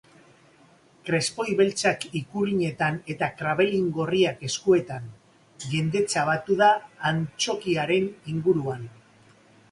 Krespoi beltzak ikurrinetan eta krabelin gorriak eskuetan, jendetza batu da antzokiaren inguruan.